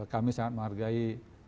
kami sangat menghargai